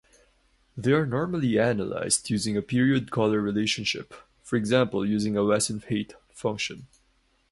They are normally analysed using a period-colour-relationship, for example using a Wesenheit function.